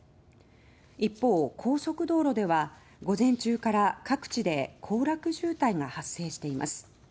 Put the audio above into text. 一方、高速道路では午前中から各地で行楽渋滞が発生しています。